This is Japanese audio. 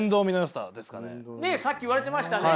ねえさっき言われてましたね。